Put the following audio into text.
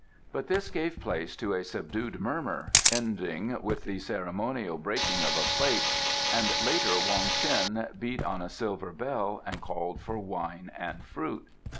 But this gave place to a subdued murmur, ending with the ceremonial breaking of a plate, and later Wong Ts'in beat on a silver bell and called for wine and fruit.